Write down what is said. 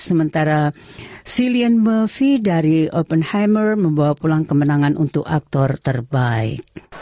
sementara cillian murphy dari oppenheimer membawa pulang kemenangan untuk aktor terbaik